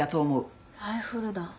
ライフル弾。